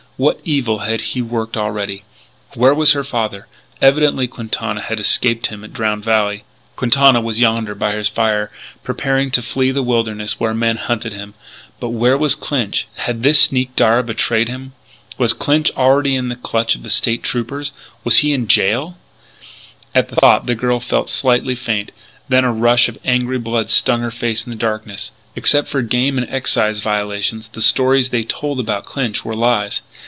What evil had he worked already? Where was her father? Evidently Quintana had escaped him at Drowned Valley.... Quintana was yonder by his fire, preparing to flee the wilderness where men hunted him.... But where was Clinch? Had this sneak, Darragh, betrayed him? Was Clinch already in the clutch of the State Troopers? Was he in jail? At the thought the girl felt slightly faint, then a rush of angry blood stung her face in the darkness. Except for game and excise violations the stories they told about Clinch were lies.